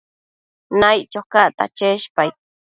Naiccho cacta cheshpaid